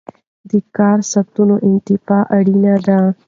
د کار ساعتونو انعطاف اړین دی.